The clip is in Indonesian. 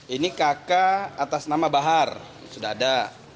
ini kk atas nama bahar sudah ada